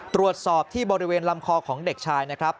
ตรวจสอบที่บริเวณลำคอของเด็กชายนะครับ